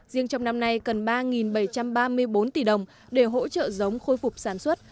riêng trong năm nay cần ba bảy trăm ba mươi bốn tỷ đồng để hỗ trợ giống khôi phục sản xuất